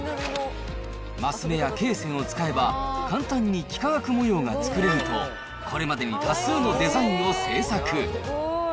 マス目や罫線を使えば、簡単に幾何学模様が作れると、これまでに多数のデザインを制作。